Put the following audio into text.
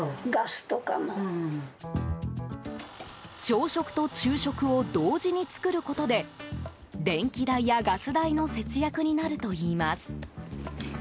朝食と昼食を同時に作ることで電気代やガス代の節約になるといいます。